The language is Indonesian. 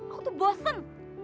aku tuh bosen